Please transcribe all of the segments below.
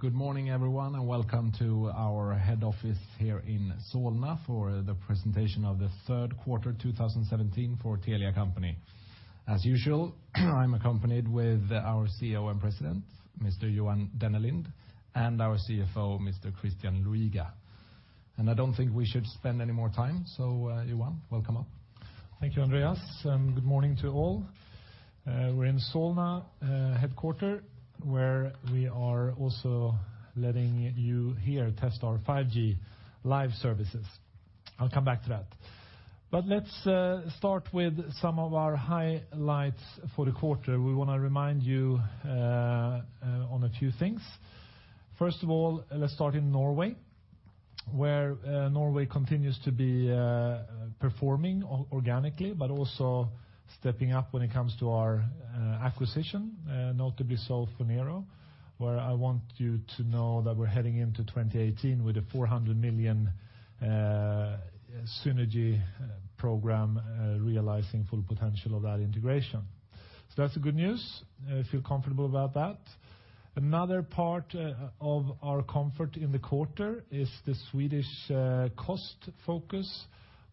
Good morning, everyone, and welcome to our head office here in Solna for the presentation of the third quarter 2017 for Telia Company. As usual, I'm accompanied with our CEO and President, Mr. Johan Dennelind, and our CFO, Mr. Christian Luiga. I don't think we should spend any more time. Johan, welcome up. Thank you Andreas, and good morning to all. We're in Solna headquarter, where we are also letting you here test our 5G live services. I'll come back to that. Let's start with some of our highlights for the quarter. We want to remind you on a few things. First of all, let's start in Norway, where Norway continues to be performing organically, but also stepping up when it comes to our acquisition, notably Phonero, where I want you to know that we're heading into 2018 with a 400 million synergy program, realizing full potential of that integration. That's the good news. I feel comfortable about that. Another part of our comfort in the quarter is the Swedish cost focus,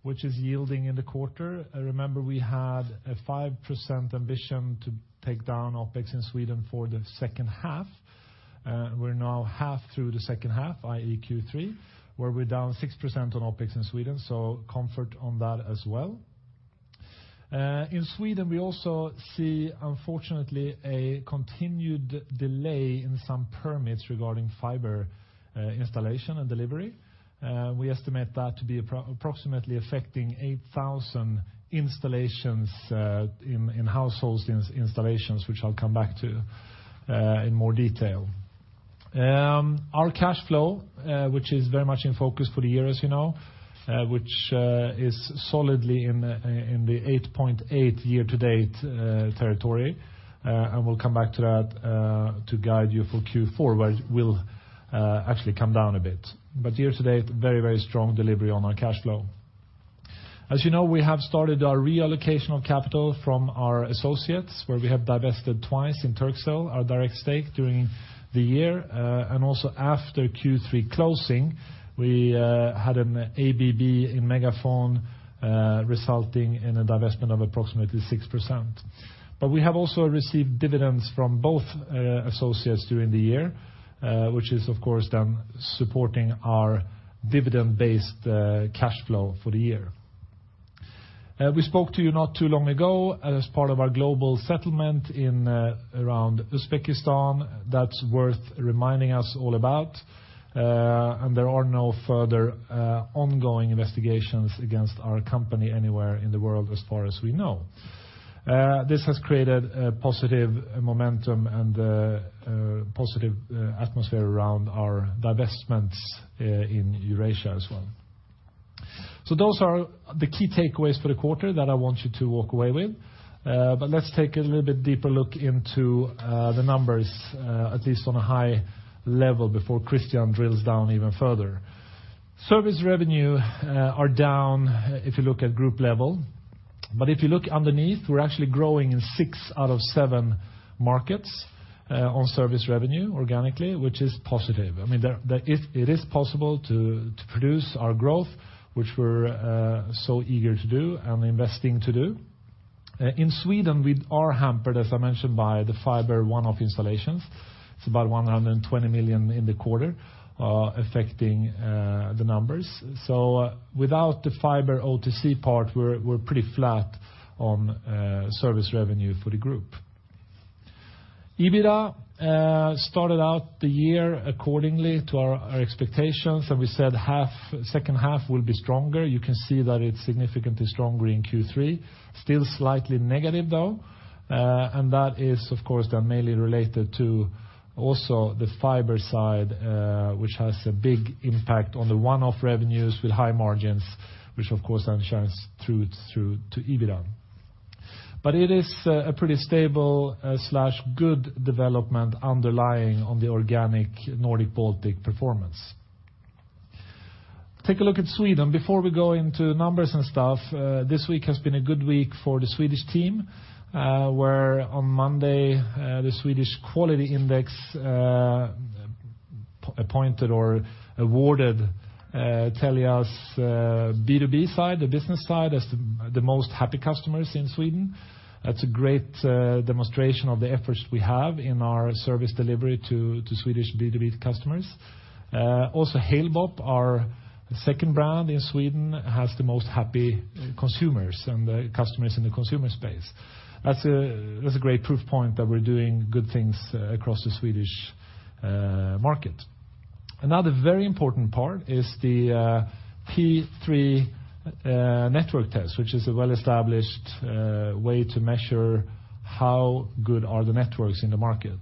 which is yielding in the quarter. Remember we had a 5% ambition to take down OpEx in Sweden for the second half. We're now half through the second half, i.e. Q3, where we're down 6% on OpEx in Sweden. Comfort on that as well. In Sweden, we also see, unfortunately, a continued delay in some permits regarding fiber installation and delivery. We estimate that to be approximately affecting 8,000 installations in households, installations which I'll come back to in more detail. Our cash flow, which is very much in focus for the year as you know, which is solidly in the 8.8 year-to-date territory. We'll come back to that to guide you for Q4, where it will actually come down a bit. Year-to-date, very strong delivery on our cash flow. As you know, we have started our reallocation of capital from our associates, where we have divested twice in Turkcell, our direct stake during the year. Also after Q3 closing, we had an ABB in MegaFon, resulting in a divestment of approximately 6%. We have also received dividends from both associates during the year, which is of course then supporting our dividend-based cash flow for the year. We spoke to you not too long ago as part of our global settlement around Uzbekistan. That's worth reminding us all about. There are no further ongoing investigations against our company anywhere in the world as far as we know. This has created a positive momentum and a positive atmosphere around our divestments in Eurasia as well. Those are the key takeaways for the quarter that I want you to walk away with. Let's take a little bit deeper look into the numbers, at least on a high level before Christian drills down even further. Service revenue are down if you look at group level. If you look underneath, we're actually growing in six out of seven markets on service revenue organically, which is positive. It is possible to produce our growth, which we're so eager to do and investing to do. In Sweden, we are hampered, as I mentioned, by the fiber one-off installations. It's about 120 million in the quarter affecting the numbers. Without the fiber OTC part, we're pretty flat on service revenue for the group. EBITDA started out the year accordingly to our expectations, and we said second half will be stronger. You can see that it's significantly stronger in Q3. Still slightly negative, though. That is, of course, then mainly related to also the fiber side, which has a big impact on the one-off revenues with high margins, which of course then shines through to EBITDA. It is a pretty stable/good development underlying on the organic Nordic-Baltic performance. Take a look at Sweden. Before we go into numbers and stuff, this week has been a good week for the Swedish team, where on Monday, the Swedish quality index appointed or awarded Telia's B2B side, the business side, as the most happy customers in Sweden. That's a great demonstration of the efforts we have in our service delivery to Swedish B2B customers. Also, Halebop, our second brand in Sweden, has the most happy consumers and customers in the consumer space. That's a great proof point that we're doing good things across the Swedish market. Another very important part is the P3 network test, which is a well-established way to measure how good are the networks in the market.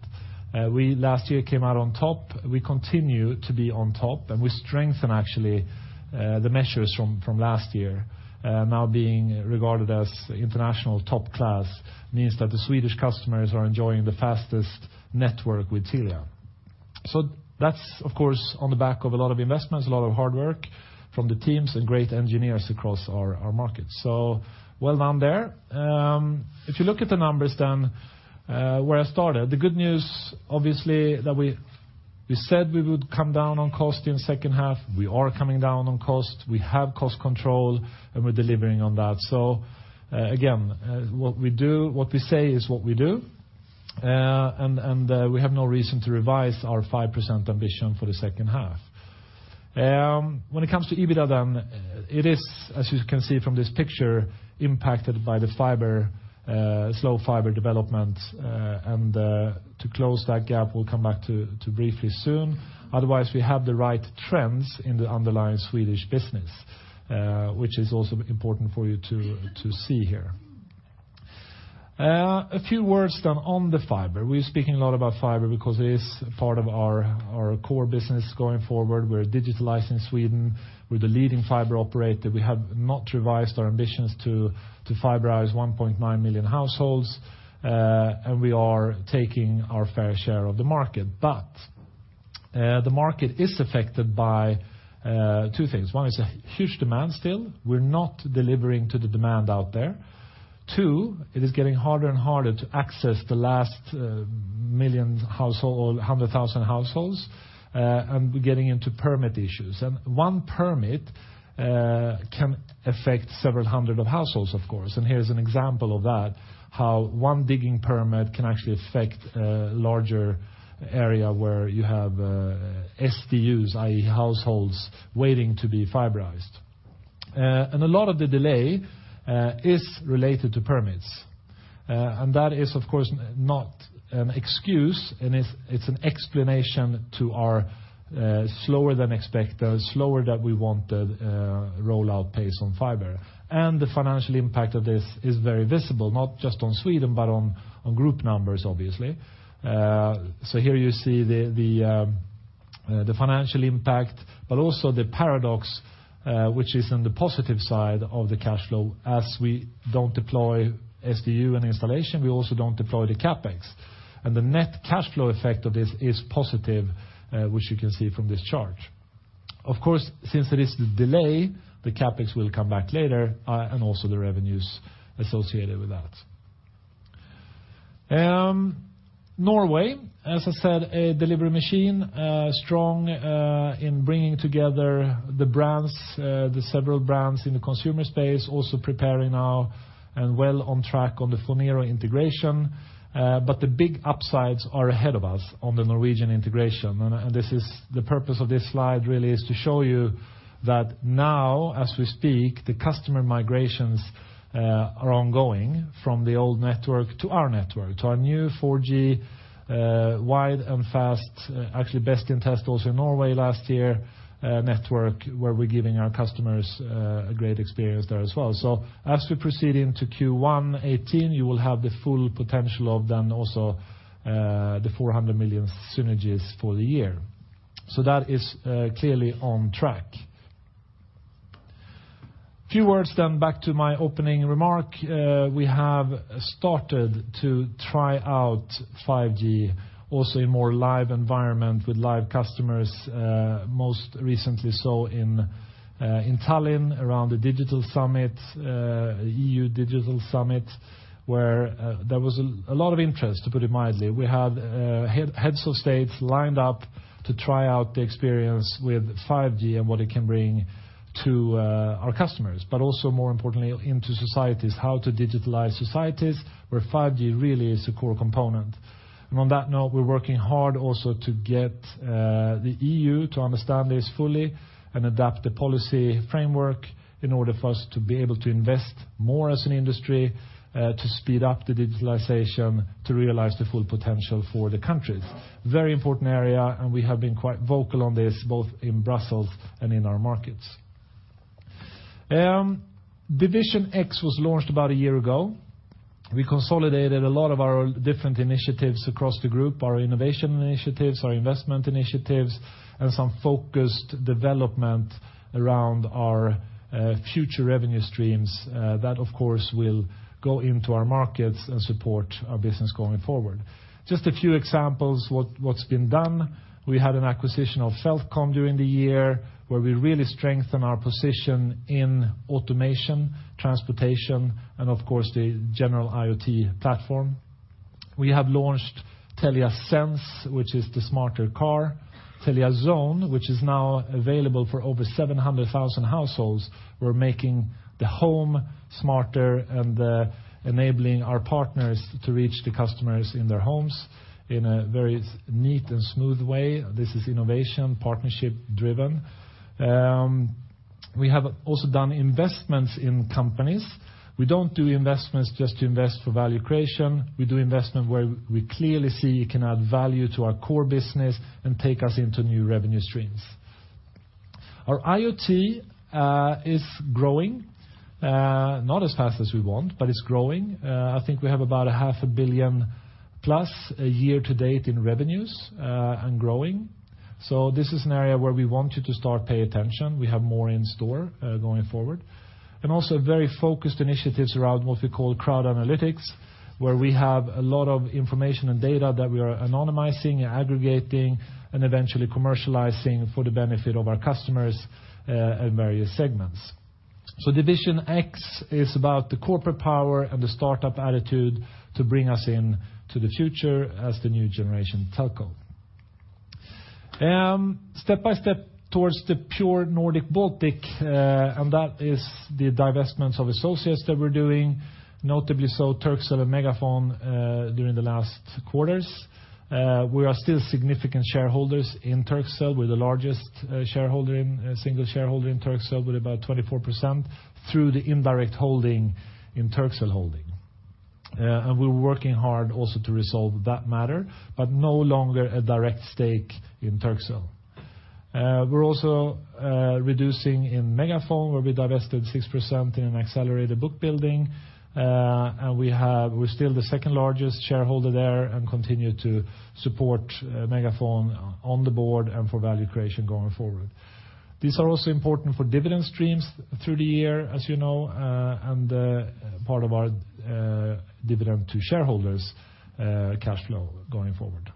We last year came out on top. We continue to be on top, we strengthen actually the measures from last year. Now being regarded as international top class means that the Swedish customers are enjoying the fastest network with Telia. That's of course on the back of a lot of investments, a lot of hard work from the teams and great engineers across our markets. Well done there. If you look at the numbers then, where I started. The good news, obviously, that we said we would come down on cost in the second half. We are coming down on cost. We have cost control, we're delivering on that. Again, what we say is what we do, and we have no reason to revise our 5% ambition for the second half. When it comes to EBITDA, it is, as you can see from this picture, impacted by the slow fiber development. To close that gap, we'll come back to briefly soon. Otherwise, we have the right trends in the underlying Swedish business, which is also important for you to see here. A few words then on the fiber. We're speaking a lot about fiber because it is part of our core business going forward. We're digitalized in Sweden. We're the leading fiber operator. We have not revised our ambitions to fiberize 1.9 million households. We are taking our fair share of the market. The market is affected by two things. One is a huge demand still. We're not delivering to the demand out there. Two, it is getting harder and harder to access the last million household, 100,000 households, and we're getting into permit issues. One permit can affect several hundred of households, of course. Here's an example of that, how one digging permit can actually affect a larger area where you have SDUs, i.e. households waiting to be fiberized. A lot of the delay is related to permits. That is, of course, not an excuse, and it's an explanation to our slower than expected, slower that we wanted rollout pace on fiber. The financial impact of this is very visible, not just on Sweden, but on group numbers, obviously. Here you see the financial impact, but also the paradox, which is in the positive side of the cash flow. As we don't deploy SDU and installation, we also don't deploy the CapEx. The net cash flow effect of this is positive, which you can see from this chart. Of course, since it is the delay, the CapEx will come back later, and also the revenues associated with that. Norway, as I said, a delivery machine, strong in bringing together the several brands in the consumer space, also preparing now and well on track on the Phonero integration. The big upsides are ahead of us on the Norwegian integration. The purpose of this slide really is to show you that now as we speak, the customer migrations are ongoing from the old network to our network, to our new 4G wide and fast, actually best-in-test also in Norway last year, network where we're giving our customers a great experience there as well. As we proceed into Q118, you will have the full potential of then also the 400 million synergies for the year. That is clearly on track. Few words back to my opening remark. We have started to try out 5G also in more live environment with live customers, most recently so in Tallinn around the Tallinn Digital Summit, where there was a lot of interest, to put it mildly. We had heads of states lined up to try out the experience with 5G and what it can bring to our customers, but also more importantly, into societies, how to digitalize societies where 5G really is a core component. On that note, we're working hard also to get the EU to understand this fully and adapt the policy framework in order for us to be able to invest more as an industry, to speed up the digitalization, to realize the full potential for the countries. Very important area. We have been quite vocal on this, both in Brussels and in our markets. Division X was launched about a year ago. We consolidated a lot of our different initiatives across the group, our innovation initiatives, our investment initiatives, and some focused development around our future revenue streams. That, of course, will go into our markets and support our business going forward. Just a few examples what's been done. We had an acquisition of Fältcom during the year, where we really strengthen our position in automation, transportation, and of course, the general IoT platform. We have launched Telia Sense, which is the smarter car. Telia Zone, which is now available for over 700,000 households. We're making the home smarter and enabling our partners to reach the customers in their homes in a very neat and smooth way. This is innovation, partnership driven. We have also done investments in companies. We don't do investments just to invest for value creation. We do investment where we clearly see it can add value to our core business and take us into new revenue streams. Our IoT is growing, not as fast as we want, it's growing. I think we have about SEK a half a billion plus a year-to-date in revenues and growing. This is an area where we want you to start pay attention. We have more in store going forward. Also very focused initiatives around what we call crowd analytics, where we have a lot of information and data that we are anonymizing, aggregating, and eventually commercializing for the benefit of our customers in various segments. Division X is about the corporate power and the startup attitude to bring us into the future as the new generation telco. Step by step towards the pure Nordic-Baltic. That is the divestments of associates that we're doing, notably so Turkcell and MegaFon during the last quarters. We are still significant shareholders in Turkcell. We're the largest single shareholder in Turkcell with about 24%, through the indirect holding in Turkcell Holding. We're working hard also to resolve that matter, no longer a direct stake in Turkcell. We're also reducing in MegaFon, where we divested 6% in an accelerated book building. We're still the second largest shareholder there and continue to support MegaFon on the board and for value creation going forward. These are also important for dividend streams through the year, as you know, part of our dividend to shareholders cash flow going forward.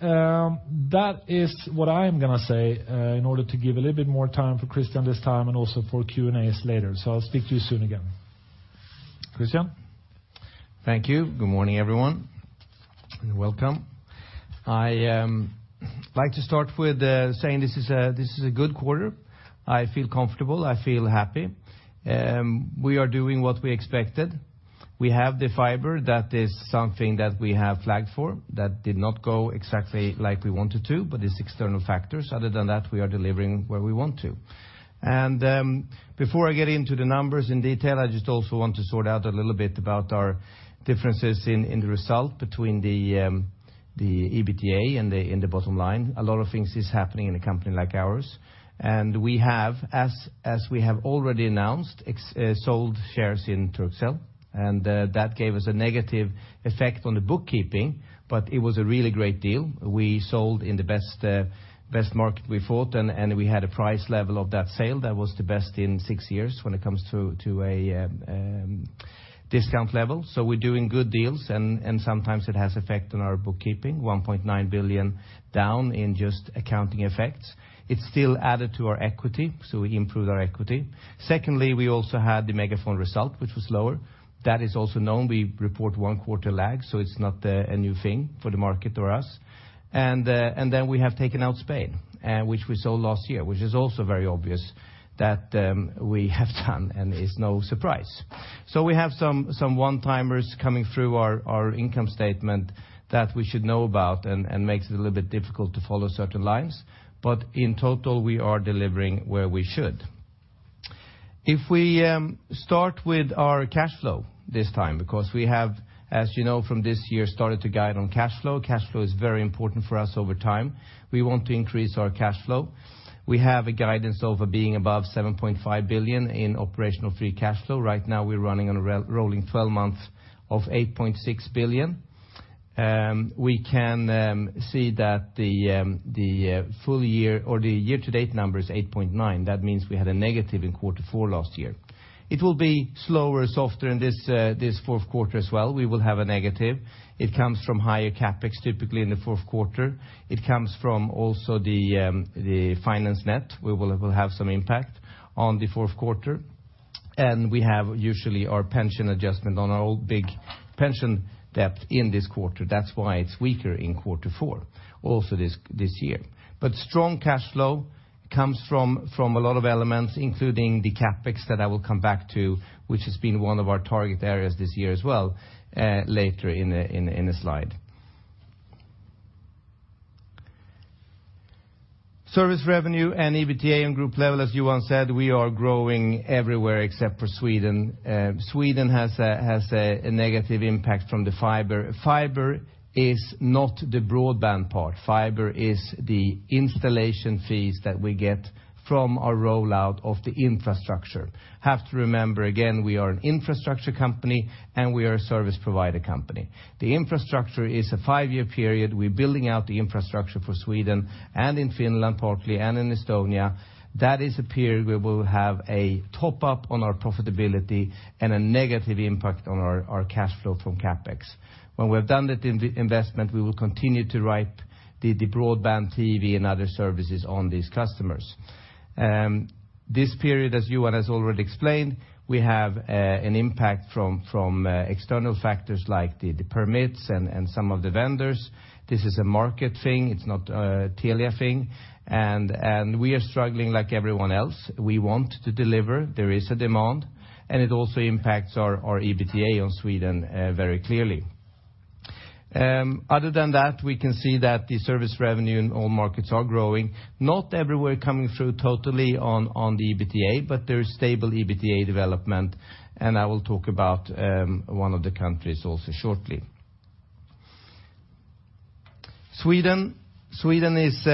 That is what I'm going to say in order to give a little bit more time for Christian this time and also for Q&As later. I'll speak to you soon again. Christian? Thank you. Good morning, everyone, welcome. I like to start with saying this is a good quarter. I feel comfortable. I feel happy. We are doing what we expected. We have the fiber. That is something that we have flagged for that did not go exactly like we wanted to, it's external factors. Other than that, we are delivering where we want to. Before I get into the numbers in detail, I just also want to sort out a little bit about our differences in the result between the EBITDA and the bottom line. A lot of things is happening in a company like ours. We have, as we have already announced, sold shares in Turkcell, that gave us a negative effect on the bookkeeping, it was a really great deal. We sold in the best market we thought. We had a price level of that sale that was the best in six years when it comes to a discount level. We're doing good deals, and sometimes it has effect on our bookkeeping, 1.9 billion down in just accounting effects. It still added to our equity. We improved our equity. Secondly, we also had the MegaFon result, which was lower. That is also known. We report one quarter lag, it's not a new thing for the market or us. We have taken out Spain, which we sold last year, which is also very obvious that we have done and is no surprise. We have some one-timers coming through our income statement that we should know about and makes it a little bit difficult to follow certain lines. In total, we are delivering where we should. If we start with our cash flow this time, because we have, as you know from this year, started to guide on cash flow. Cash flow is very important for us over time. We want to increase our cash flow. We have a guidance of being above 7.5 billion in operational free cash flow. Right now, we're running on a rolling 12 months of 8.6 billion. We can see that the full year or the year-to-date number is 8.9 billion. That means we had a negative in quarter four last year. It will be slower, softer in this fourth quarter as well. We will have a negative. It comes from higher CapEx, typically in the fourth quarter. It comes from also the finance net. We will have some impact on the fourth quarter. We have usually our pension adjustment on our old big pension debt in this quarter. That's why it's weaker in quarter four, also this year. Strong cash flow comes from a lot of elements, including the CapEx that I will come back to, which has been one of our target areas this year as well, later in a slide. Service revenue and EBITDA on group level, as Johan said, we are growing everywhere except for Sweden. Sweden has a negative impact from the fiber. Fiber is not the broadband part. Fiber is the installation fees that we get from our rollout of the infrastructure. Have to remember, again, we are an infrastructure company, and we are a service provider company. The infrastructure is a five-year period. We're building out the infrastructure for Sweden and in Finland partly and in Estonia. That is a period we will have a top-up on our profitability and a negative impact on our cash flow from CapEx. When we've done that investment, we will continue to write the broadband TV and other services on these customers. This period, as Johan has already explained, we have an impact from external factors like the permits and some of the vendors. This is a market thing. It's not a Telia thing. We are struggling like everyone else. We want to deliver. There is a demand, it also impacts our EBITDA on Sweden very clearly. Other than that, we can see that the service revenue in all markets are growing, not everywhere coming through totally on the EBITDA. There is stable EBITDA development, and I will talk about one of the countries also shortly. Sweden is,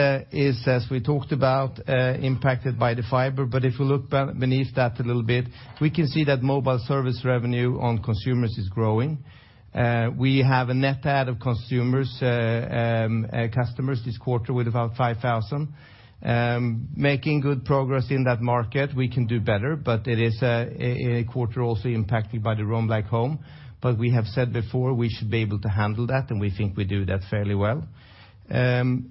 as we talked about, impacted by the fiber. If you look beneath that a little bit, we can see that mobile service revenue on consumers is growing. We have a net add of consumers, customers this quarter with about 5,000. Making good progress in that market. We can do better, but it is a quarter also impacted by the Roam like at home. We have said before, we should be able to handle that, and we think we do that fairly well.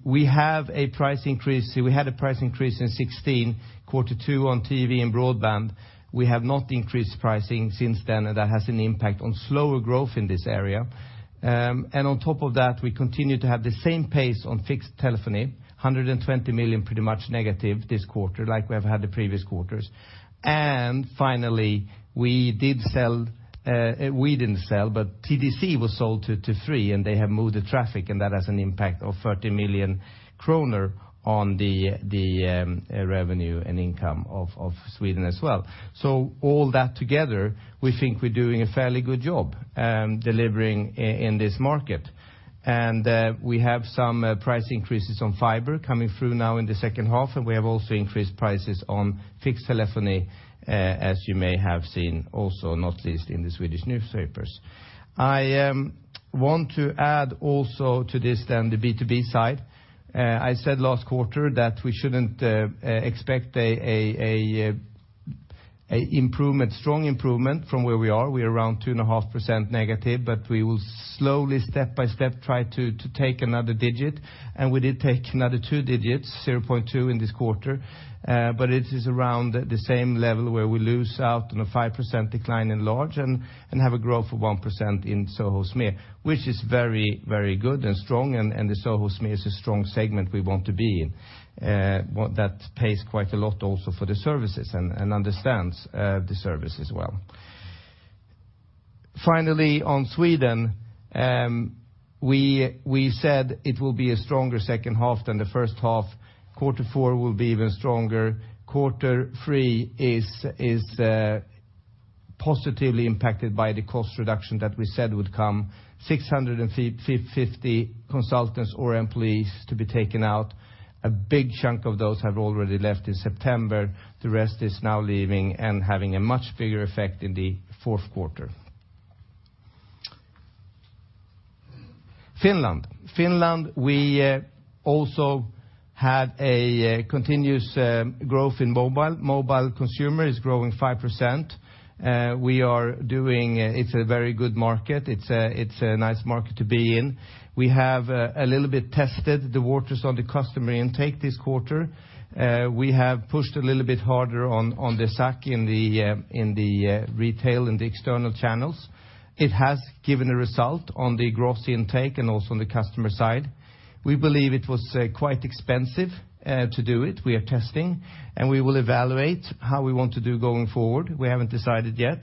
We had a price increase in 2016, quarter two on TV and broadband. We have not increased pricing since then, and that has an impact on slower growth in this area. On top of that, we continue to have the same pace on fixed telephony, 120 million, pretty much negative this quarter like we have had the previous quarters. Finally, we didn't sell, but TDC was sold to Tele2 and they have moved the traffic, and that has an impact of 30 million kronor on the revenue and income of Sweden as well. All that together, we think we're doing a fairly good job delivering in this market. We have some price increases on fiber coming through now in the second half. We have also increased prices on fixed telephony, as you may have seen also, not least in the Swedish newspapers. I want to add also to this then the B2B side. I said last quarter that we shouldn't expect a strong improvement from where we are. We are around 2.5% negative, but we will slowly step by step try to take another digit, and we did take another two digits, 0.2% in this quarter. It is around the same level where we lose out on a 5% decline in large and have a growth of 1% in SoHo Small, which is very good and strong. The SoHo Small is a strong segment we want to be in. That pays quite a lot also for the services and understands the service as well. Finally, on Sweden, we said it will be a stronger second half than the first half. Quarter four will be even stronger. Quarter three is positively impacted by the cost reduction that we said would come, 650 consultants or employees to be taken out. A big chunk of those have already left in September. The rest is now leaving and having a much bigger effect in the fourth quarter. Finland. Finland, we also had a continuous growth in mobile. Mobile consumer is growing 5%. It's a very good market. It's a nice market to be in. We have a little bit tested the waters on the customer intake this quarter. We have pushed a little bit harder on the stack in the retail and the external channels. It has given a result on the gross intake and also on the customer side. We believe it was quite expensive to do it. We are testing, and we will evaluate how we want to do going forward. We haven't decided yet,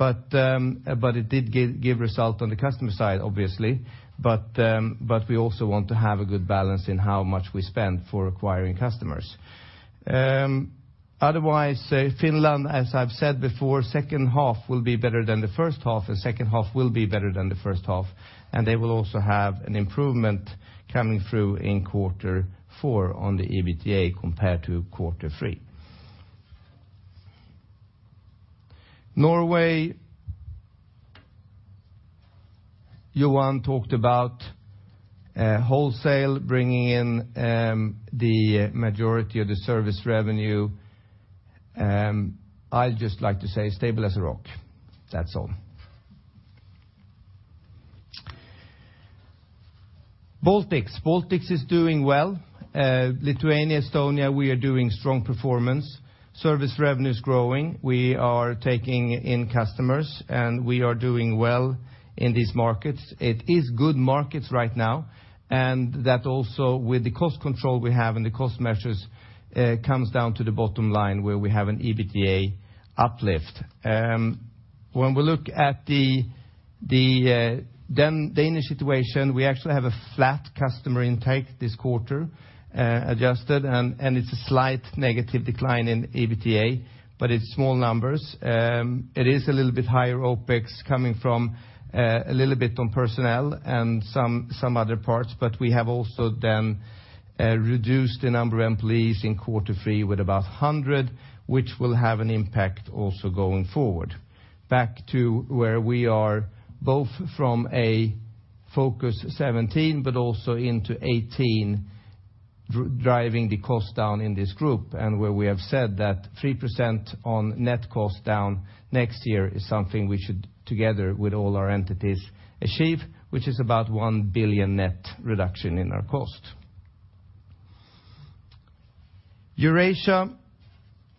it did give result on the customer side, obviously. We also want to have a good balance in how much we spend for acquiring customers. Otherwise, Finland, as I've said before, second half will be better than the first half. They will also have an improvement coming through in quarter four on the EBITDA compared to quarter three. Norway. Johan talked about wholesale bringing in the majority of the service revenue. I'd just like to say stable as a rock. That's all. Baltics. Baltics is doing well. Lithuania, Estonia, we are doing strong performance. Service revenue's growing. We are taking in customers, and we are doing well in these markets. It is good markets right now, and that also with the cost control we have and the cost measures comes down to the bottom line where we have an EBITDA uplift. When we look at the Danish situation, we actually have a flat customer intake this quarter, adjusted, and it's a slight negative decline in EBITDA, but it's small numbers. It is a little bit higher OpEx coming from a little bit on personnel and some other parts, but we have also then reduced the number of employees in quarter three with about 100, which will have an impact also going forward. Back to where we are both from a Focus '17 but also into 2018, driving the cost down in this group and where we have said that 3% on net cost down next year is something we should together with all our entities achieve, which is about 1 billion net reduction in our cost. Eurasia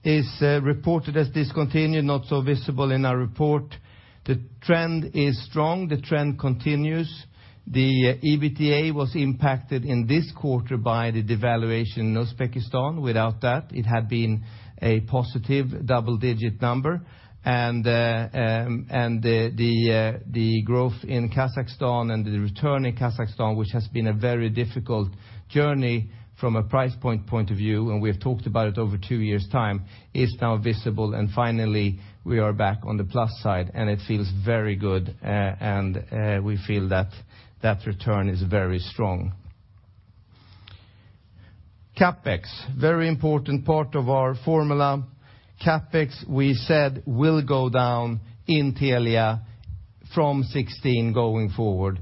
is reported as discontinued, not so visible in our report. The trend is strong. The trend continues. The EBITDA was impacted in this quarter by the devaluation in Uzbekistan. Without that, it had been a positive double-digit number. The growth in Kazakhstan and the return in Kazakhstan, which has been a very difficult journey from a price point point of view, and we have talked about it over 2 years' time, is now visible. Finally, we are back on the plus side, and it feels very good. We feel that that return is very strong. CapEx, very important part of our formula. CapEx, we said will go down in Telia from 2016 going forward.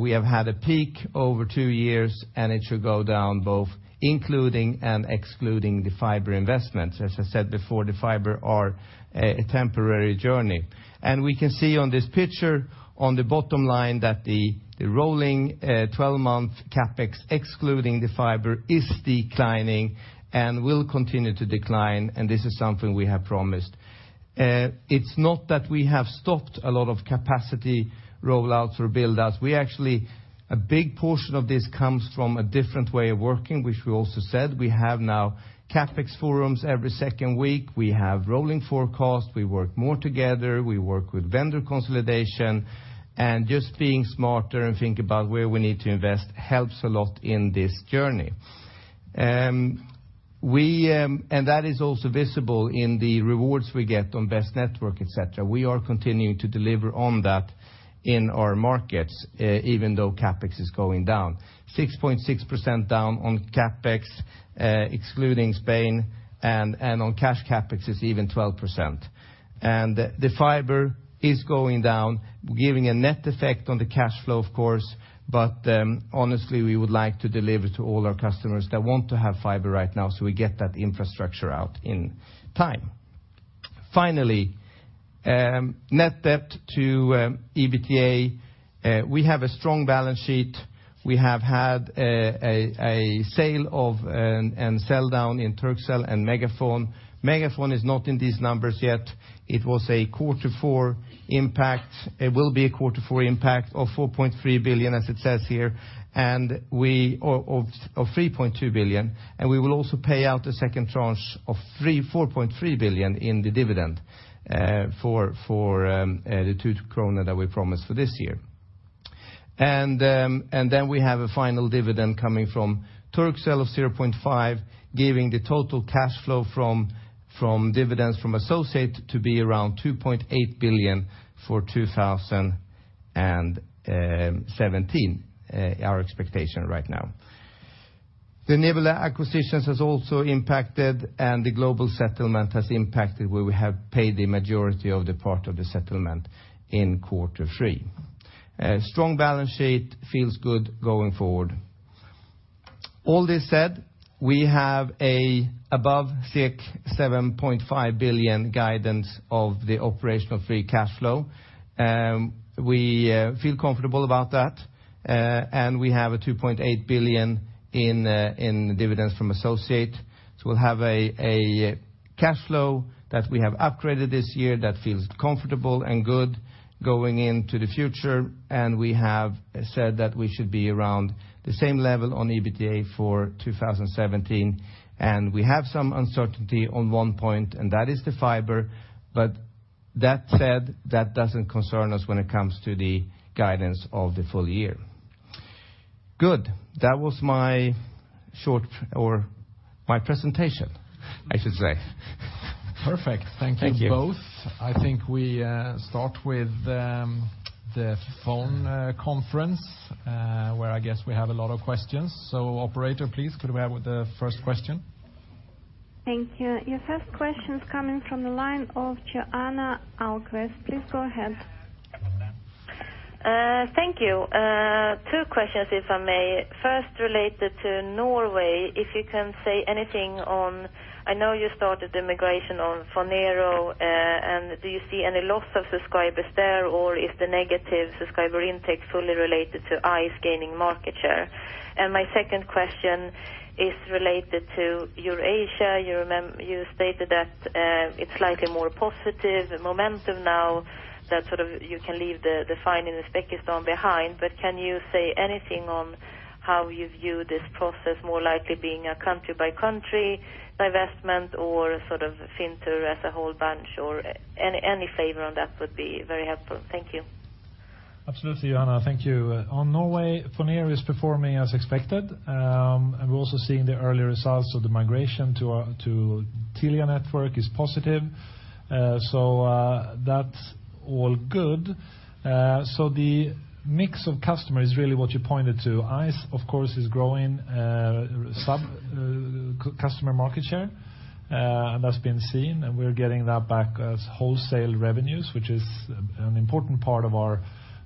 We have had a peak over 2 years, and it should go down both including and excluding the fiber investments. As I said before, the fiber are a temporary journey. We can see on this picture on the bottom line that the rolling 12-month CapEx, excluding the fiber, is declining and will continue to decline, and this is something we have promised. It's not that we have stopped a lot of capacity rollouts or build-outs. Actually, a big portion of this comes from a different way of working, which we also said. We have now CapEx forums every second week. We have rolling forecast. We work more together. We work with vendor consolidation. Just being smarter and think about where we need to invest helps a lot in this journey. That is also visible in the rewards we get on best network, et cetera. We are continuing to deliver on that in our markets, even though CapEx is going down. 6.6% down on CapEx, excluding Spain, and on cash CapEx it's even 12%. The fiber is going down, giving a net effect on the cash flow, of course, honestly, we would like to deliver to all our customers that want to have fiber right now, so we get that infrastructure out in time. Finally, net debt to EBITDA. We have a strong balance sheet. We have had a sale of and sell down in Turkcell and MegaFon. MegaFon is not in these numbers yet. It will be a quarter 4 impact of 4.3 billion, as it says here, of 3.2 billion. We will also pay out a second tranche of 4.3 billion in the dividend for the 2 krona that we promised for this year. We have a final dividend coming from Turkcell of 0.5 billion, giving the total cash flow from dividends from associate to be around 2.8 billion for 2017, our expectation right now. The Nebula acquisitions has also impacted, the global settlement has impacted, where we have paid the majority of the part of the settlement in quarter 3. Strong balance sheet, feels good going forward. All this said, we have above 7.5 billion guidance of the operational free cash flow. We feel comfortable about that. We have 2.8 billion in dividends from associate. We'll have a cash flow that we have upgraded this year that feels comfortable and good going into the future. We have said that we should be around the same level on EBITDA for 2017. We have some uncertainty on one point, that is the fiber, that said, that doesn't concern us when it comes to the guidance of the full year. Good. That was my presentation, I should say. Perfect. Thank you both. Thank you. I think we start with the phone conference, where I guess we have a lot of questions. Operator, please could we have the first question? Thank you. Your first question's coming from the line of Johanna Ahlqvist. Please go ahead. Thank you. Two questions, if I may. First, related to Norway, if you can say anything on, I know you started the migration on Phonero, and do you see any loss of subscribers there, or is the negative subscriber intake fully related to ice gaining market share? My second question is related to Eurasia. You stated that it's slightly more positive, the momentum now, that you can leave the fine in Uzbekistan behind, but can you say anything on how you view this process more likely being a country-by-country divestment or Fintur as a whole bunch, or any favor on that would be very helpful. Thank you. Absolutely, Johanna. Thank you. On Norway, Phonero is performing as expected. We're also seeing the early results of the migration to Telia network is positive. That's all good. The mix of customer is really what you pointed to. ice of course, is growing customer market share, and that's been seen, and we're getting that back as wholesale revenues, which is an important part of our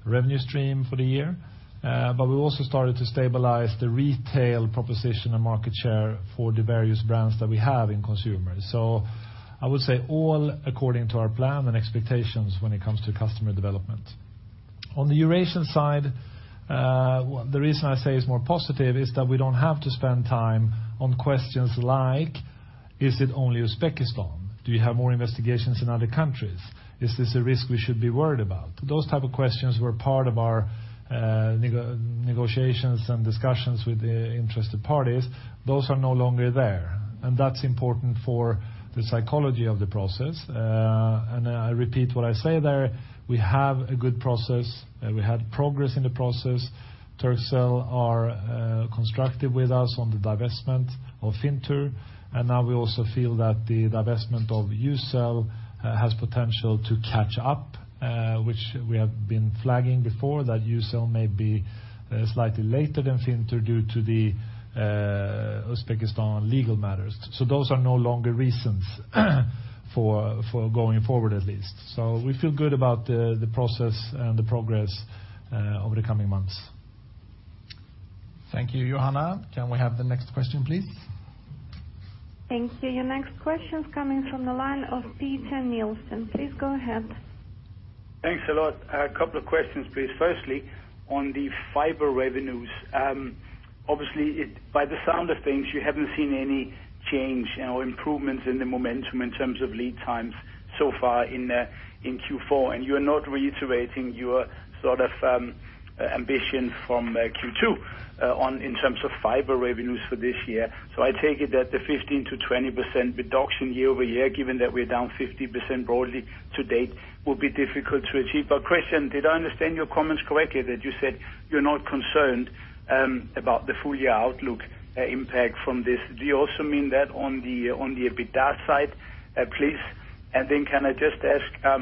revenue stream for the year. We also started to stabilize the retail proposition and market share for the various brands that we have in consumer. I would say all according to our plan and expectations when it comes to customer development. On the Eurasian side, the reason I say it's more positive is that we don't have to spend time on questions like, is it only Uzbekistan? Do we have more investigations in other countries? Is this a risk we should be worried about? Those type of questions were part of our negotiations and discussions with the interested parties. Those are no longer there, that's important for the psychology of the process. I repeat what I say there, we have a good process. We had progress in the process. Turkcell are constructive with us on the divestment of Fintur. We also feel that the divestment of Ucell has potential to catch up, which we have been flagging before, that Ucell may be slightly later than Fintur due to the Uzbekistan legal matters. Those are no longer reasons for going forward at least. We feel good about the process and the progress over the coming months. Thank you, Johanna. Can we have the next question, please? Thank you. Your next question's coming from the line of Peter Nielsen. Please go ahead. Thanks a lot. A couple of questions, please. Firstly, on the fiber revenues. By the sound of things, you haven't seen any change or improvements in the momentum in terms of lead times so far in Q4, you're not reiterating your ambition from Q2 in terms of fiber revenues for this year. I take it that the 15%-20% reduction year-over-year, given that we're down 50% broadly to date, will be difficult to achieve. Christian, did I understand your comments correctly that you said you're not concerned about the full year outlook impact from this? Do you also mean that on the EBITDA side, please? Can I just ask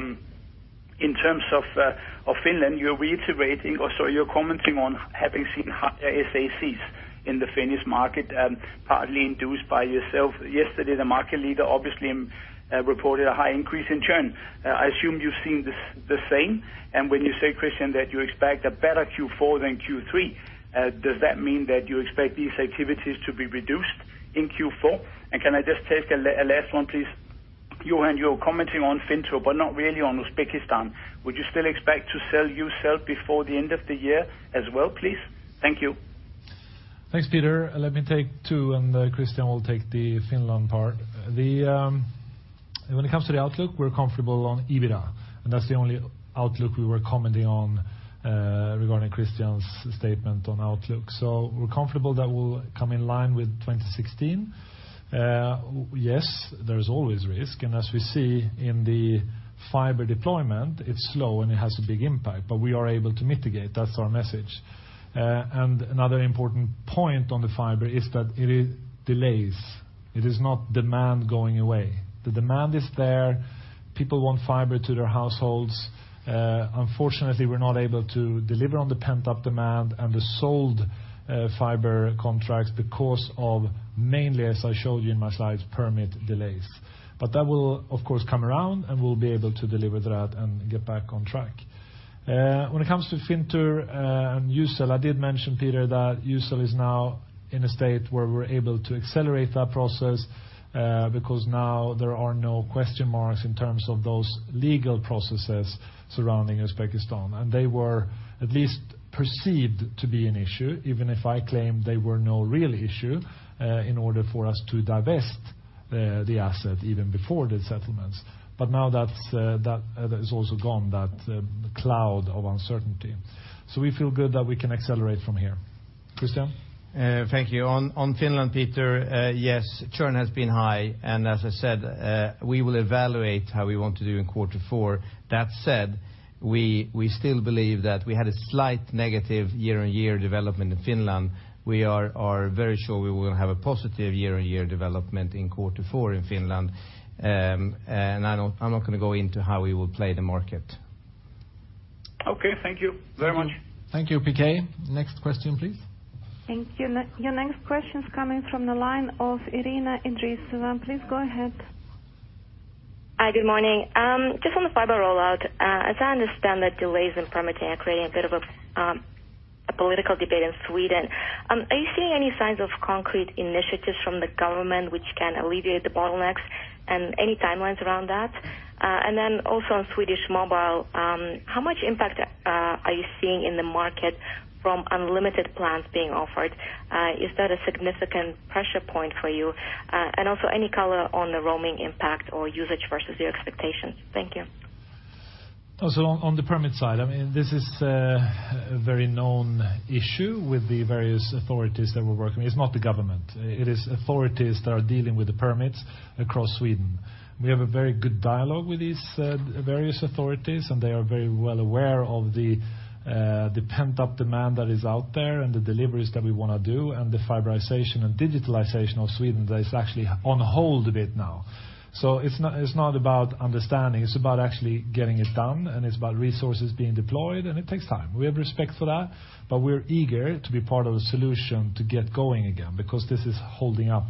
in terms of Finland, you're reiterating or so you're commenting on having seen higher SACs in the Finnish market, partly induced by yourself. Yesterday, the market leader obviously reported a high increase in churn. I assume you've seen the same, when you say, Christian, that you expect a better Q4 than Q3, does that mean that you expect these activities to be reduced in Q4? Can I just take a last one, please? Johan, you're commenting on Fintur, but not really on Uzbekistan. Would you still expect to sell Ucell before the end of the year as well, please? Thank you. Thanks, Peter. Let me take two, and Christian will take the Finland part. When it comes to the outlook, we're comfortable on EBITDA, and that's the only outlook we were commenting on regarding Christian's statement on outlook. We're comfortable that will come in line with 2016. Yes, there's always risk, and as we see in the fiber deployment, it's slow, and it has a big impact, but we are able to mitigate. That's our message. Another important point on the fiber is that it delays. It is not demand going away. The demand is there. People want fiber to their households. Unfortunately, we're not able to deliver on the pent-up demand and the sold fiber contracts because of mainly, as I showed you in my slides, permit delays. That will of course come around, and we'll be able to deliver that and get back on track. When it comes to Fintur and Ucell, I did mention, Peter, that Ucell is now in a state where we're able to accelerate that process, because now there are no question marks in terms of those legal processes surrounding Uzbekistan. They were at least perceived to be an issue, even if I claim they were no real issue, in order for us to divest the asset even before the settlements. Now that is also gone, that cloud of uncertainty. We feel good that we can accelerate from here. Christian? Thank you. On Finland, Peter, yes, churn has been high, and as I said, we will evaluate how we want to do in quarter four. That said, we still believe that we had a slight negative year-on-year development in Finland. We are very sure we will have a positive year-on-year development in quarter four in Finland. I'm not going to go into how we will play the market. Okay. Thank you very much. Thank you, Peter. Next question, please. Thank you. Your next question's coming from the line of Irina Idrisova. Please go ahead. Hi, good morning. Just on the fiber rollout. As I understand that delays in permitting are creating a bit of a political debate in Sweden. Are you seeing any signs of concrete initiatives from the government which can alleviate the bottlenecks, and any timelines around that? Also on Swedish mobile, how much impact are you seeing in the market from unlimited plans being offered? Is that a significant pressure point for you? Also any color on the roaming impact or usage versus your expectations. Thank you. On the permit side, this is a very known issue with the various authorities that we're working with. It's not the government. It is authorities that are dealing with the permits across Sweden. We have a very good dialogue with these various authorities, and they are very well aware of the pent-up demand that is out there and the deliveries that we want to do and the fiberization and digitalization of Sweden that is actually on hold a bit now. It's not about understanding. It's about actually getting it done, and it's about resources being deployed, and it takes time. We have respect for that, but we're eager to be part of a solution to get going again, because this is holding up.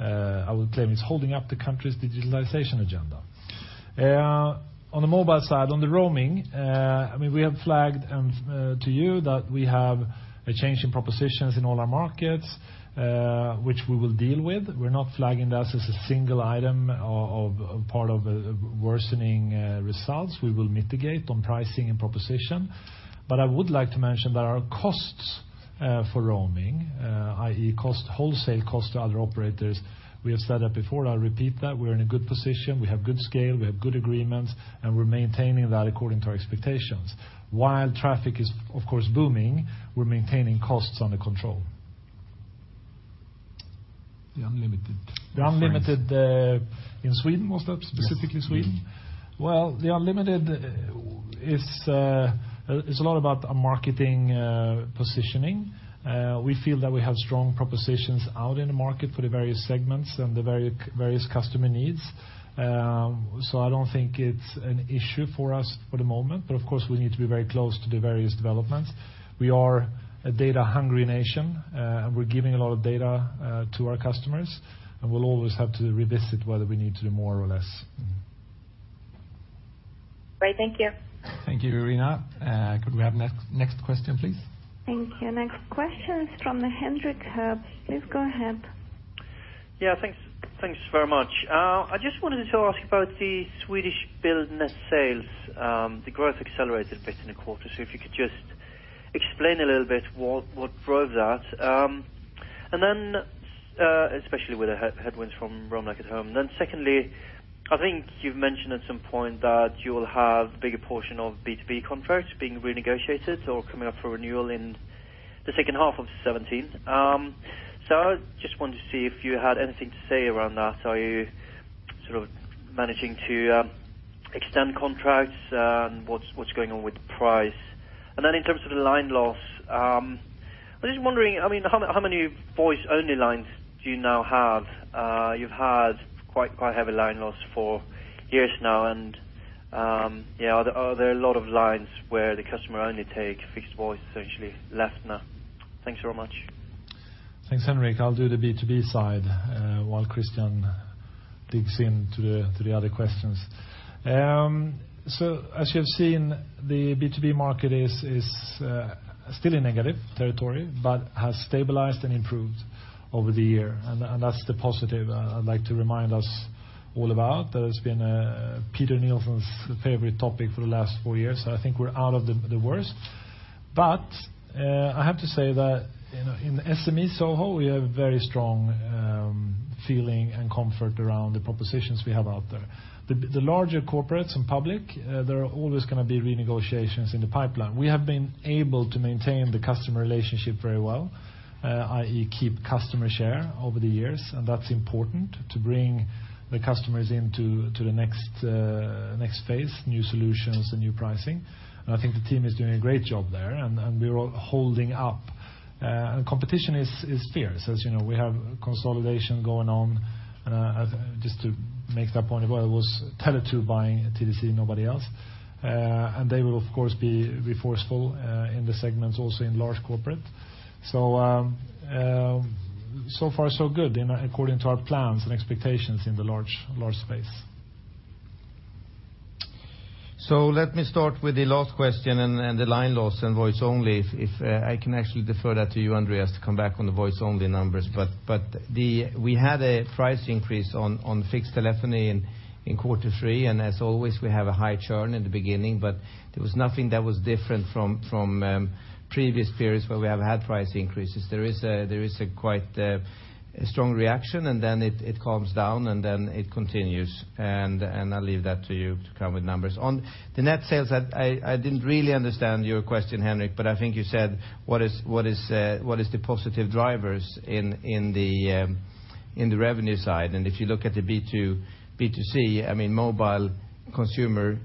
I would claim it's holding up the country's digitalization agenda. On the mobile side, on the roaming, we have flagged to you that we have a change in propositions in all our markets, which we will deal with. We're not flagging this as a single item of part of worsening results. We will mitigate on pricing and proposition. I would like to mention that our costs for roaming, i.e. cost, wholesale cost to other operators, we have said that before. I'll repeat that. We're in a good position. We have good scale. We have good agreements, and we're maintaining that according to our expectations. While traffic is of course booming, we're maintaining costs under control. The unlimited. The unlimited in Sweden, was that specifically Sweden? Yes. Well, the unlimited is a lot about a marketing positioning. We feel that we have strong propositions out in the market for the various segments and the various customer needs. I don't think it's an issue for us for the moment. Of course, we need to be very close to the various developments. We are a data-hungry nation. We're giving a lot of data to our customers, and we'll always have to revisit whether we need to do more or less. Great. Thank you. Thank you, Irina. Could we have next question, please? Thank you. Next question is from the Henrik Herbst. Please go ahead. Yeah, thanks very much. I just wanted to ask about the Swedish billed net sales, the growth accelerated bit in the quarter. If you could just explain a little bit what drove that. Especially with the headwinds from Roam like at home, secondly, I think you've mentioned at some point that you'll have a bigger portion of B2B contracts being renegotiated or coming up for renewal in the second half of '17. I just wanted to see if you had anything to say around that. Are you sort of managing to extend contracts? What's going on with the price? In terms of the line loss, I'm just wondering, how many voice-only lines do you now have? You've had quite heavy line loss for years now and are there a lot of lines where the customer only take fixed voice, essentially less now? Thanks very much. Thanks, Henrik. I'll do the B2B side, while Christian digs into the other questions. As you have seen, the B2B market is still in negative territory, but has stabilized and improved over the year, and that's the positive I'd like to remind us all about. That has been Peter Nielsen's favorite topic for the last four years. I think we're out of the worst. I have to say that in SME SoHo, we have very strong feeling and comfort around the propositions we have out there. The larger corporates and public, there are always going to be renegotiations in the pipeline. We have been able to maintain the customer relationship very well. I.e. keep customer share over the years, and that's important to bring the customers into the next phase, new solutions and new pricing. I think the team is doing a great job there, and we're holding up. Competition is fierce. As you know, we have consolidation going on. Just to make that point as well, it was Tele2 buying TDC, nobody else. They will, of course, be forceful in the segments also in large corporate. Far so good according to our plans and expectations in the large space. Let me start with the last question and the line loss and voice-only. If I can actually defer that to you, Andreas, to come back on the voice-only numbers. We had a price increase on fixed telephony in quarter three, and as always, we have a high churn in the beginning, but there was nothing that was different from previous periods where we have had price increases. There is a quite strong reaction, and then it calms down, and then it continues. I'll leave that to you to come with numbers. On the net sales, I didn't really understand your question, Henrik, but I think you said, what is the positive drivers in the revenue side? If you look at the B2C, mobile consumer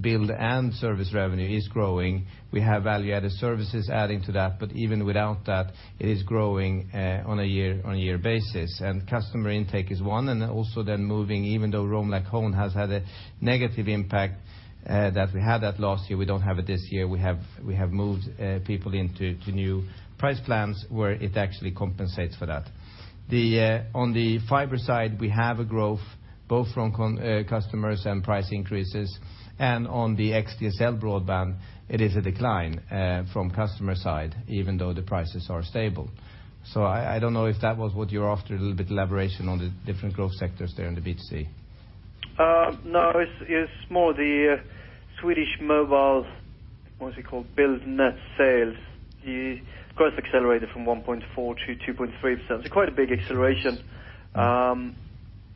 billed and service revenue is growing. We have value-added services adding to that. Even without that, it is growing on a year-over-year basis. Customer intake is one, moving, even though Roam like at home has had a negative impact, that we had that last year, we don't have it this year. We have moved people into new price plans where it actually compensates for that. On the fiber side, we have a growth both from customers and price increases, on the XDSL broadband, it is a decline from customer side, even though the prices are stable. I don't know if that was what you were after, a little bit elaboration on the different growth sectors there in the B2C. No. It's more the Swedish mobile, what's it called, billed net sales. The growth accelerated from 1.4% to 2.3%. Quite a big acceleration.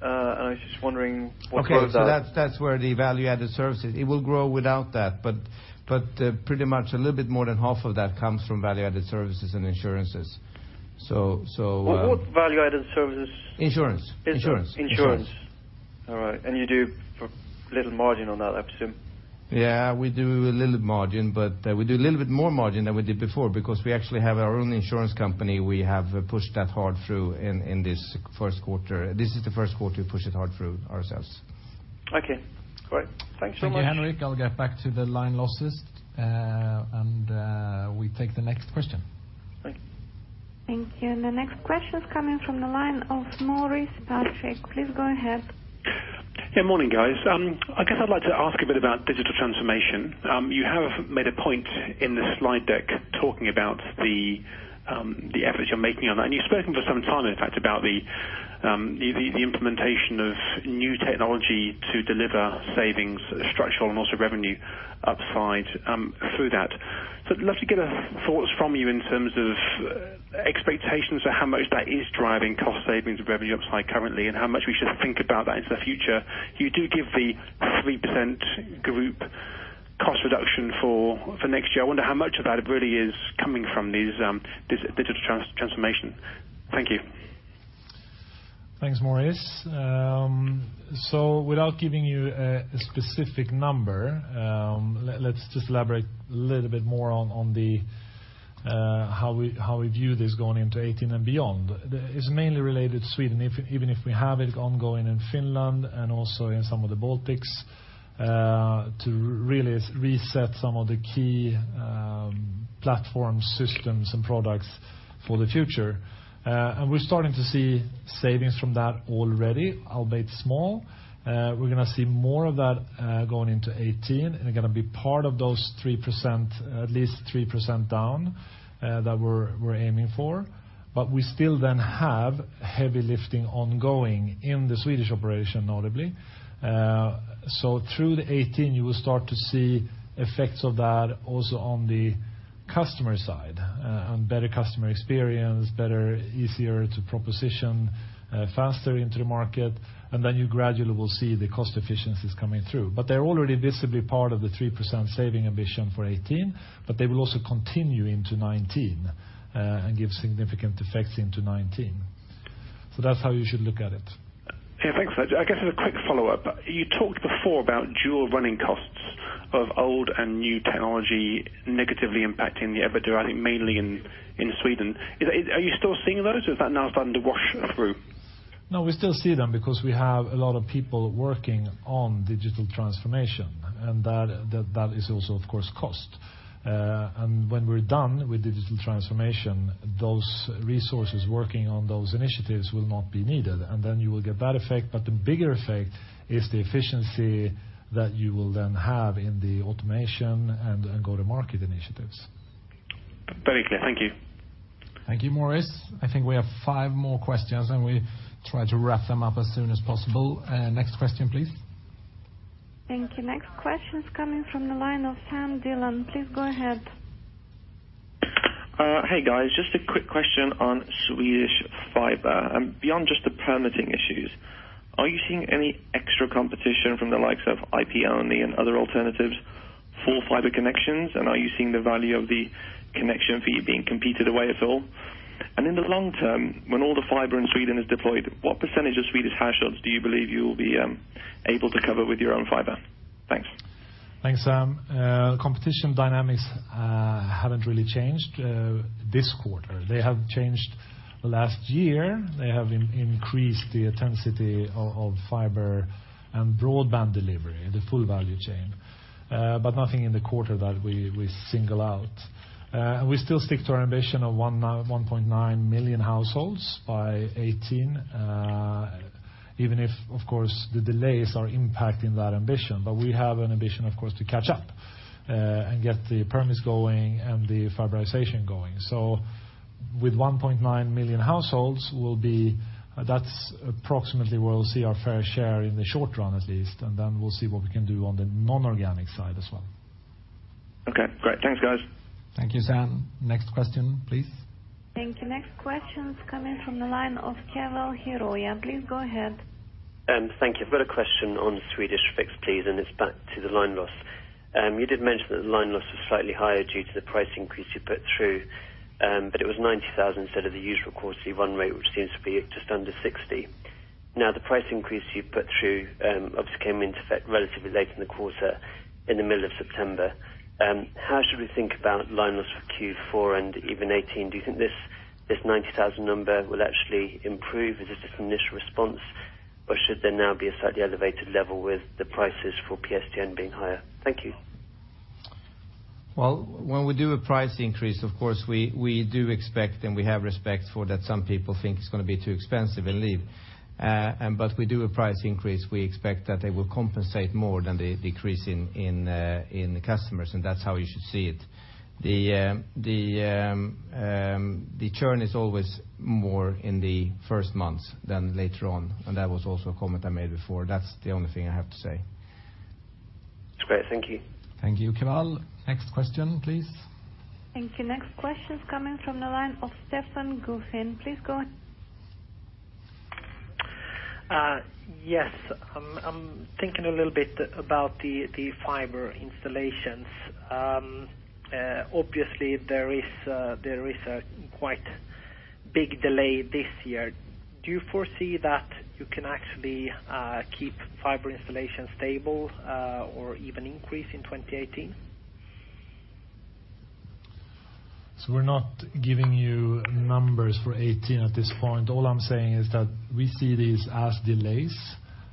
I was just wondering what drove that. Okay. That's where the value-added services. It will grow without that, but pretty much a little bit more than half of that comes from value-added services and insurances. What value-added services? Insurance. Insurance. All right. You do little margin on that, I presume. Yeah, we do a little margin, we do a little bit more margin than we did before because we actually have our own insurance company. We have pushed that hard through in this first quarter. This is the first quarter we push it hard through ourselves. Okay, great. Thank you so much. Thank you, Henrik. I'll get back to the line losses. We take the next question. Thank you. Thank you. The next question is coming from the line of Maurice Patrick. Please go ahead. Yeah, morning, guys. I guess I'd like to ask a bit about digital transformation. You have made a point in the slide deck talking about the efforts you're making on that, and you've spoken for some time, in fact, about the implementation of new technology to deliver savings structural and also revenue upside through that. I'd love to get thoughts from you in terms of expectations for how much that is driving cost savings and revenue upside currently, and how much we should think about that into the future. You do give the 3% group cost reduction for next year. I wonder how much of that really is coming from these digital transformation. Thank you. Thanks, Maurice. Without giving you a specific number, let's just elaborate a little bit more on how we view this going into 2018 and beyond. It's mainly related to Sweden, even if we have it ongoing in Finland and also in some of the Baltics, to really reset some of the key platform systems and products for the future. We're starting to see savings from that already, albeit small. We're going to see more of that going into 2018, and they're going to be part of those at least 3% down that we're aiming for. We still then have heavy lifting ongoing in the Swedish operation, notably. Through the 2018, you will start to see effects of that also on the customer side, on better customer experience, easier to proposition faster into the market, and then you gradually will see the cost efficiencies coming through. They're already visibly part of the 3% saving ambition for 2018, but they will also continue into 2019, and give significant effects into 2019. That's how you should look at it. Yeah, thanks for that. I guess as a quick follow-up, you talked before about dual running costs of old and new technology negatively impacting the EBITDA, I think mainly in Sweden. Are you still seeing those, or has that now started to wash through? No, we still see them because we have a lot of people working on digital transformation, and that is also, of course, cost. When we're done with digital transformation, those resources working on those initiatives will not be needed, and then you will get that effect. The bigger effect is the efficiency that you will then have in the automation and go-to-market initiatives. Very clear. Thank you. Thank you, Maurice. I think we have five more questions, we try to wrap them up as soon as possible. Next question, please. Thank you. Next question is coming from the line of Sam Dillon. Please go ahead. Hey, guys. Just a quick question on Swedish fiber. Beyond just the permitting issues, are you seeing any extra competition from the likes of IP-Only and other alternatives for fiber connections? Are you seeing the value of the connection fee being competed away at all? In the long term, when all the fiber in Sweden is deployed, what percentage of Swedish households do you believe you'll be able to cover with your own fiber? Thanks. Thanks, Sam. Competition dynamics haven't really changed this quarter. They have changed last year. They have increased the intensity of fiber and broadband delivery, the full value chain. Nothing in the quarter that we single out. We still stick to our ambition of 1.9 million households by 2018, even if, of course, the delays are impacting that ambition. We have an ambition, of course, to catch up, get the permits going and the fiberization going. With 1.9 million households, that's approximately where we'll see our fair share in the short run, at least, then we'll see what we can do on the non-organic side as well. Okay, great. Thanks, guys. Thank you, Sam. Next question, please. Thank you. Next question is coming from the line of Keval Khiroya. Please go ahead. Thank you. I've got a question on Swedish fixed, please, and it's back to the line loss. You did mention that the line loss was slightly higher due to the price increase you put through, but it was 90,000 instead of the usual quarterly run rate, which seems to be just under 60. Now, the price increase you put through obviously came into effect relatively late in the quarter, in the middle of September. How should we think about line loss for Q4 and even 2018? Do you think this 90,000 number will actually improve? Is this just an initial response, or should there now be a slightly elevated level with the prices for PSTN being higher? Thank you. Well, when we do a price increase, of course we do expect, and we have respect for that some people think it's going to be too expensive and leave. We do a price increase, we expect that they will compensate more than the decrease in customers, and that's how you should see it. The churn is always more in the first months than later on, and that was also a comment I made before. That's the only thing I have to say. Great. Thank you. Thank you, Keval. Next question, please. Thank you. Next question is coming from the line of Stefan Gauffin. Please go ahead. Yes. I'm thinking a little bit about the fiber installations. Obviously, there is a quite big delay this year. Do you foresee that you can actually keep fiber installation stable or even increase in 2018? We're not giving you numbers for '18 at this point. All I'm saying is that we see these as delays,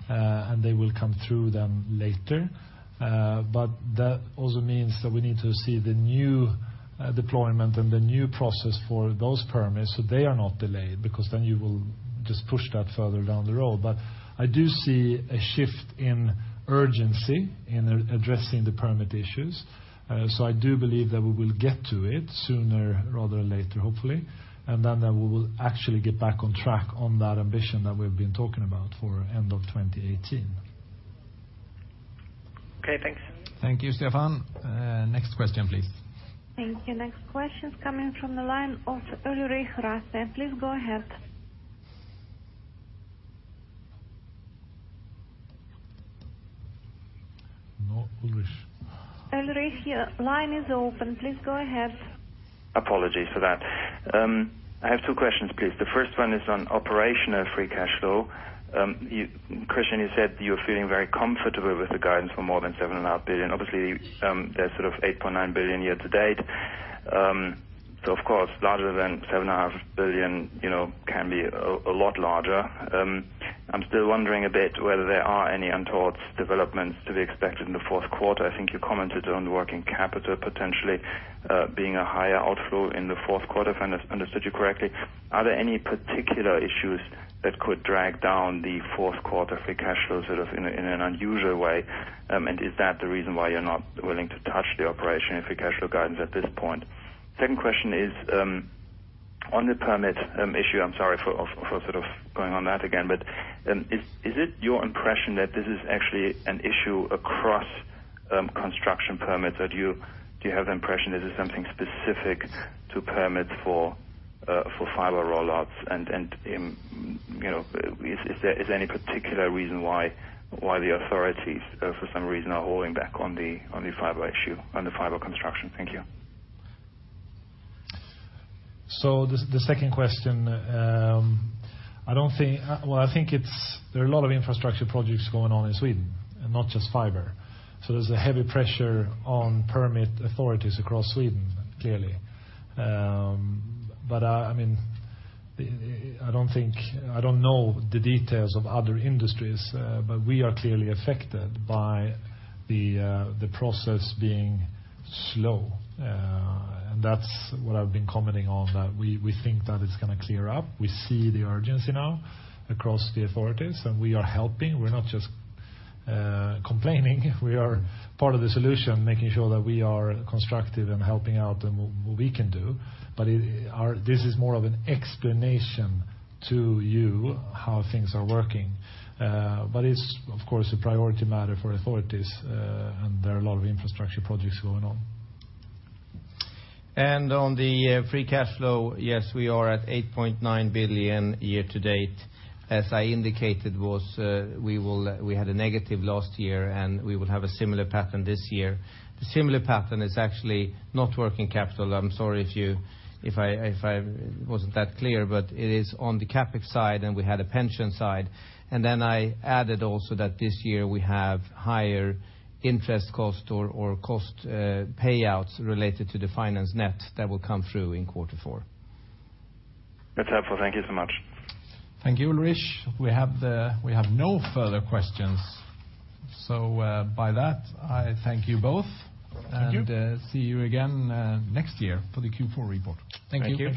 and they will come through them later. That also means that we need to see the new deployment and the new process for those permits so they are not delayed, because then you will just push that further down the road. I do see a shift in urgency in addressing the permit issues. I do believe that we will get to it sooner rather than later, hopefully. Then we will actually get back on track on that ambition that we've been talking about for end of 2018. Okay. Thanks. Thank you, Stefan. Next question, please. Thank you. Next question is coming from the line of Ulrich Rathe. Please go ahead. Ulrich, line is open. Please go ahead. Apologies for that. I have two questions, please. The first one is on operational free cash flow. Christian, you said you're feeling very comfortable with the guidance for more than 7.5 billion. Obviously, there's 8.9 billion year to date. Of course, larger than 7.5 billion can be a lot larger. I'm still wondering a bit whether there are any untoward developments to be expected in the fourth quarter. I think you commented on working capital potentially being a higher outflow in the fourth quarter, if I understood you correctly. Are there any particular issues that could drag down the fourth quarter free cash flow in an unusual way? Is that the reason why you're not willing to touch the operational free cash flow guidance at this point? Second question is on the permit issue. I'm sorry for going on that again. Is it your impression that this is actually an issue across construction permits? Do you have the impression this is something specific to permits for fiber roll-outs? Is there any particular reason why the authorities, for some reason, are holding back on the fiber issue, on the fiber construction? Thank you. The second question. There are a lot of infrastructure projects going on in Sweden, and not just fiber. There's a heavy pressure on permit authorities across Sweden, clearly. I don't know the details of other industries, but we are clearly affected by the process being slow. That's what I've been commenting on, that we think that it's going to clear up. We see the urgency now across the authorities. We are helping. We're not just complaining. We are part of the solution, making sure that we are constructive and helping out in what we can do. This is more of an explanation to you how things are working. It's of course a priority matter for authorities, and there are a lot of infrastructure projects going on. On the free cash flow, yes, we are at 8.9 billion year to date. As I indicated, we had a negative last year, and we will have a similar pattern this year. The similar pattern is actually not working capital. I'm sorry if I wasn't that clear, but it is on the CapEx side, and we had a pension side. I added also that this year we have higher interest cost or cost payouts related to the finance net that will come through in quarter four. That's helpful. Thank you so much. Thank you, Ulrich. We have no further questions. By that, I thank you both. Thank you. See you again next year for the Q4 report. Thank you.